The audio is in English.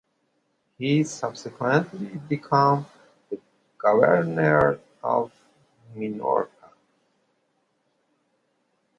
He subsequently became the Governor of Minorca.